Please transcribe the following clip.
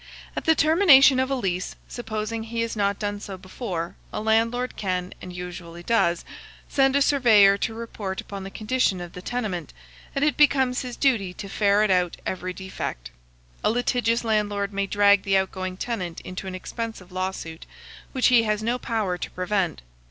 At the termination of a lease, supposing he has not done so before, a landlord can, and usually does, send a surveyor to report upon the condition of the tenement, and it becomes his duty to ferret out every defect. A litigious landlord may drag the outgoing tenant into an expensive lawsuit, which he has no power to prevent.